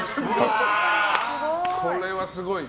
これはすごい。